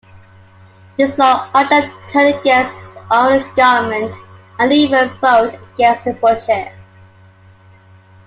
This saw Odlum turn against his own government and even vote against the budget.